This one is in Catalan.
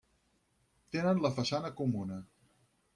Tenen la façana comuna.